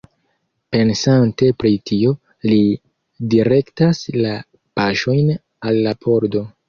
Pensante pri tio, li direktas la paŝojn al la pordo.